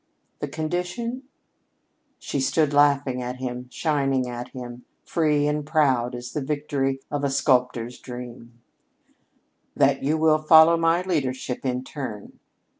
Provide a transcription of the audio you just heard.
"The condition?" She stood laughing at him, shining at him, free and proud as the "victory" of a sculptor's dream. "That you follow my leadership in turn.